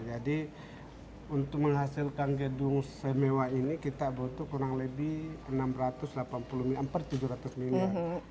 jadi untuk menghasilkan gedung semewah ini kita butuh kurang lebih rp enam ratus delapan puluh miliar hampir rp tujuh ratus miliar